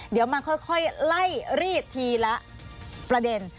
เดี๋ยวมันค่อยไล่รีดทีละประเด็น